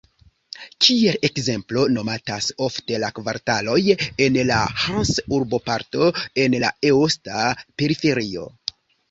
Kiel ekzemplo nomatas ofte la kvartaloj en la Hanse-urboparto en la eosta periferio.